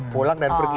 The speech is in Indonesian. pulang dan pergi